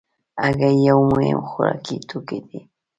هګۍ یو مهم خوراکي توکی دی.